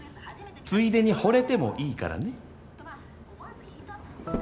ついでに惚れてもいいからね。